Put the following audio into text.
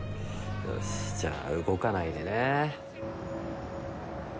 よしじゃあ動かないでね。